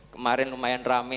kemarin lumayan rame